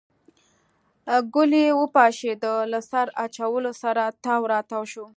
ګلی وپشېده له سر اچولو سره تاو راتاو شو.